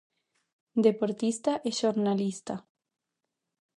Deportista e xornalista.